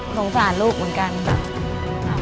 สงสารลูกเหมือนกันค่ะ